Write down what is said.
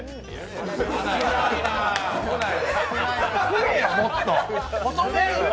食えやもっと！